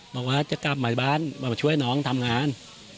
บอกว่าจะกลับใหม่บ้านมาช่วยน้องทำงาน